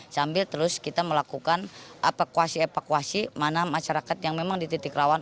sambil terus kita melakukan evakuasi evakuasi mana masyarakat yang memang di titik rawan